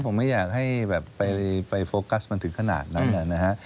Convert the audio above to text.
ผมไม่อยากให้แบบไปโฟกัสมันถึงขนาดนั้นนะฮะ